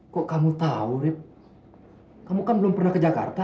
kok kamu tahu rip kamu kan belum pernah ke jakarta